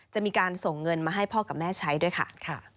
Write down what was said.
จะมีการส่งเงินมาให้พ่อกับแม่ใช้ด้วยค่ะ